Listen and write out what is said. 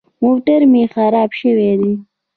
موټر مې خراب شوی دی.